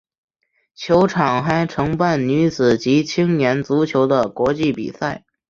球场还承办女子及青年足球的国际比赛。